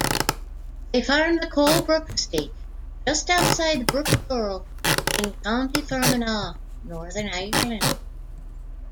They farm the Colebrooke Estate, just outside Brookeborough in County Fermanagh, Northern Ireland.